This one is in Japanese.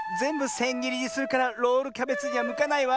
せんぎりにするからロールキャベツにはむかないわ。